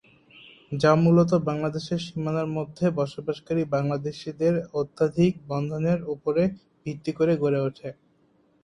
যা মূলত বাংলাদেশের সীমানার মধ্যে বসবাসকারী বাংলাদেশীদের আত্মিক বন্ধনের ওপরে ভিত্তি করে গড়ে ওঠে।